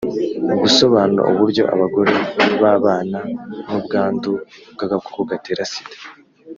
Gusobanura uburyo abagore babana n ubwandu bw agakoko gatera sida